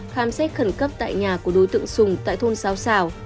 khám xét khẩn cấp tại nhà của đối tượng sùng tại thôn sáo sào